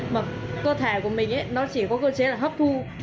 mà cơ thể của mình nó chỉ có cơ chế là hấp thu